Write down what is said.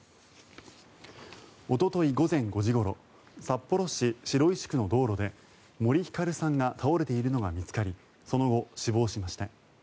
おととい午前５時ごろ札幌市白石区の道路で森ひかるさんが倒れているのが見つかりその後、死亡しました。